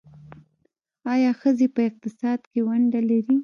آیا ښځې په اقتصاد کې ونډه لري؟